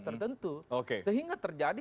tertentu sehingga terjadi